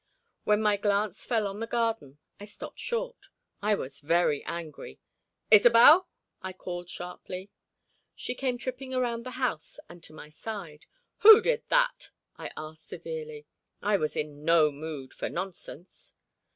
When my glance fell on the garden I stopped short. I was very angry. "Isobel?" I called sharply. She came tripping around the house and to my side. "Who did that?" I asked severely. I was in no mood for nonsense.